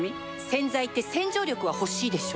洗剤って洗浄力は欲しいでしょ